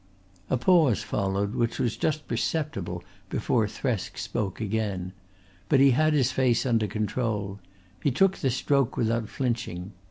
A pause followed which was just perceptible before Thresk spoke again. But he had his face under control. He took the stroke without flinching.